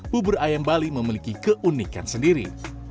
bubur ayam bali memiliki keunikan sendiri